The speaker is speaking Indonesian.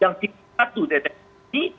yang tipe satu deteksi